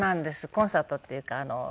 コンサートっていうか。